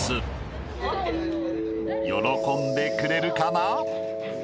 ［喜んでくれるかな？］